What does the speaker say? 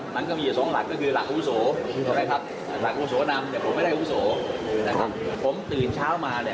และอาจทำลายถึงหน้าที่ที่ไม่ชอบ